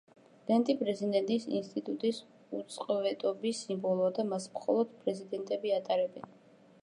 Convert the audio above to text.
ლენტი პრეზიდენტის ინსტიტუტის უწყვეტობის სიმბოლოა და მას მხოლოდ პრეზიდენტები ატარებენ.